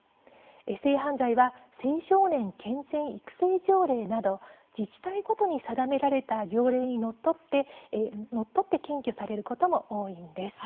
性犯罪は青少年健全育成条例など自治体ごとに定められた条例にのっとって検挙されることも多いんです。